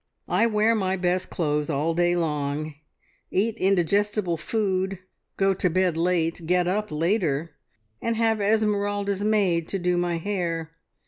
"I wear my best clothes all day long, eat indigestible food, go to bed late, get up later, and have Esmeralda's maid to do my hair.